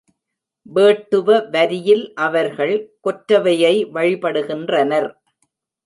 வேட்டுவ வரியில் அவர்கள் கொற்றவையை வழிபடுகின்றனர்.